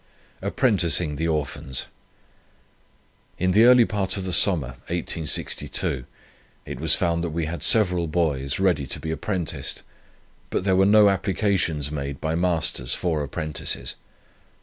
APPRENTICING THE ORPHANS. "In the early part of the summer, 1862, it was found that we had several boys ready to be apprenticed; but there were no applications made by masters for apprentices.